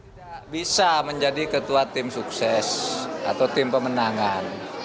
tidak bisa menjadi ketua tim sukses atau tim pemenangan